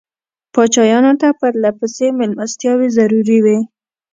پاچایانو ته پرله پسې مېلمستیاوې ضروري وې.